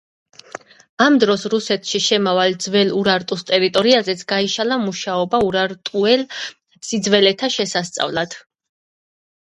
ამ დროს რუსეთში შემავალ ძველი ურარტუს ტერიტორიაზეც გაიშალა მუშაობა ურარტულ სიძველეთა შესასწავლად.